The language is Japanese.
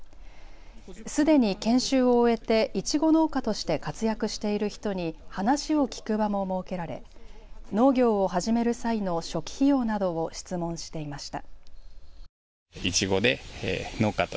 すでに研修を終えていちご農家として活躍している人に話を聞く場も設けられ農業を始める際の初期費用などを質問していました。